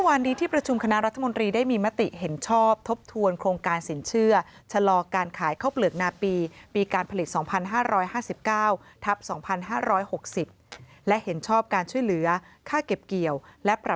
เออก็จบแล้วถามอะไรฉันอีกล่ะ